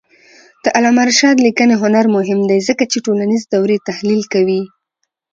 د علامه رشاد لیکنی هنر مهم دی ځکه چې ټولنیز دورې تحلیل کوي.